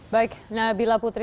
baik nabila putri